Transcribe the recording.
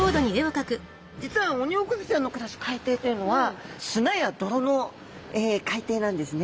実はオニオコゼちゃんの暮らす海底というのは砂や泥の海底なんですね。